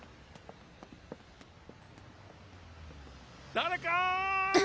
誰か！